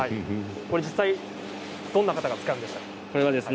実際にどんな方が使うんですか？